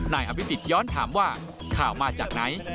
นายอภิษฎย้อนถามว่าข่าวมาจากไหน